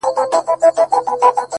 چي خپلي سپيني او رڼې اوښـكي يې،